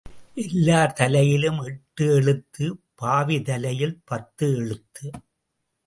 எல்லார் தலையிலும் எட்டு எழுத்து பாவி தலையில் பத்து எழுத்து.